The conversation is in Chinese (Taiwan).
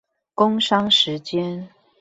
工商時間